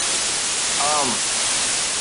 عام